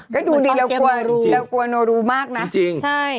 ก็ดูดีแล้วกลัวโนรูมากนะจริง